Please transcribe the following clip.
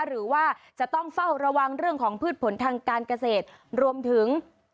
หรือว่าจะต้องเฝ้าระวังเรื่องของพืชผลทางการเกษตรรวมถึง